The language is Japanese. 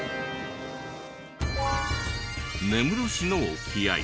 根室市の沖合。